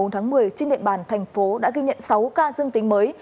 trên địa bàn thành phố đã ghi nhận sáu ca dương tính mới